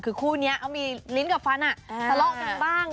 ตอนนี้เขามีลิ้นกับฟันสลอกกันบ้าง